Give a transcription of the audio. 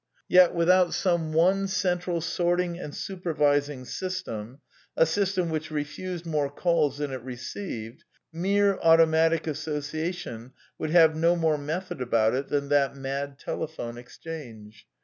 Yet without some one central sorting and supervising system, a system which refused more calls than it received, mere automatic association would have no more method about it than that mad tele phone exchange.